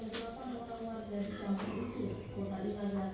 keluarga di kampung kucing kota dikarang